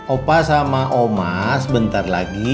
opa sama oma sebentar lagi